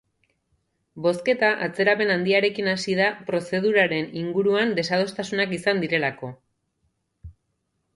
Bozketa atzerapen handiarekin hasi da prozeduraren inguruan desadostasunak izan direlako.